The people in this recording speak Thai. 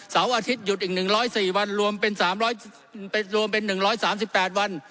เสาร์อาทิตย์หยุดอีกหนึ่งร้อยสี่วันรวมเป็นสามร้อยรวมเป็นหนึ่งร้อยสามสิบแปดวัน